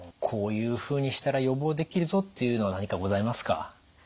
こういうふうにしたら予防できるぞっていうのは何かございますか？